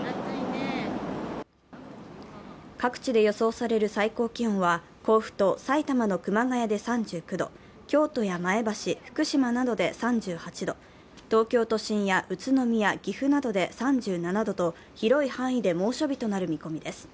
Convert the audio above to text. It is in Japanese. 各地で予想される最高気温は、甲府と埼玉の熊谷で３９度京都や前橋、福島などで３８度、東京都心や宇都宮、岐阜などで３７度と広い範囲で猛暑日となる見込みです。